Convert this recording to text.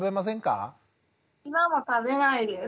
今も食べないです。